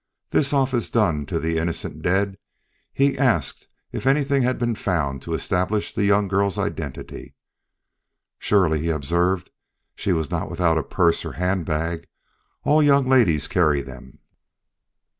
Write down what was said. This office done to the innocent dead, he asked if anything had been found to establish the young girl's identity. "Surely," he observed, "she was not without a purse or handbag. All young ladies carry them."